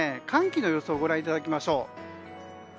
寒気の予想をご覧いただきましょう。